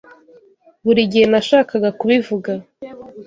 Buri gihe nashakaga kubivuga.